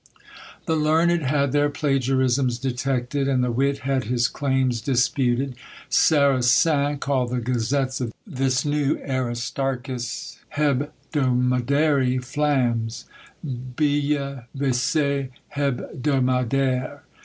The learned had their plagiarisms detected, and the wit had his claims disputed. Sarasin called the gazettes of this new Aristarchus, Hebdomadary Flams! _Billevesées hebdomadaires!